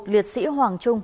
một liệt sĩ hoàng trung